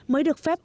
mới được phát triển